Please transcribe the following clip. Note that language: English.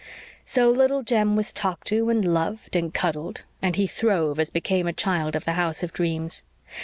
So Little Jem was talked to and loved and cuddled; and he throve as became a child of the house of dreams.